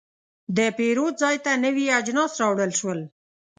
د پیرود ځای ته نوي اجناس راوړل شول.